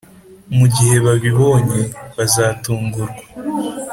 mugihe babibonye, bazatungurwa.